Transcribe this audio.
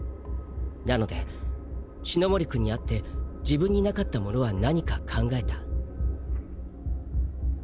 なので四ノ森くんにあって自分に無かったものは何か考えた。